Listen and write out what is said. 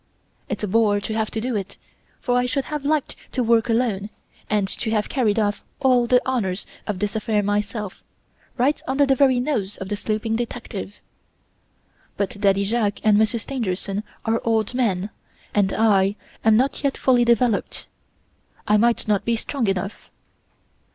It's a bore to have to do it, for I should have liked to work alone and to have carried off all the honors of this affair myself, right under the very nose of the sleeping detective. But Daddy Jacques and Monsieur Stangerson are old men, and I am not yet fully developed. I might not be strong enough.